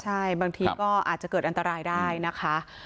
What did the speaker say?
ใช่บางทีก็อาจจะเกิดอันตรายได้นะคะ